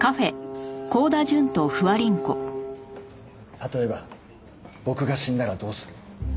例えば僕が死んだらどうする？